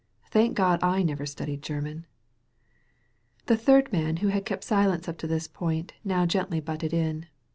Thank God I never studied German !" The third man, who had kept silence up to this point, now gently butted in.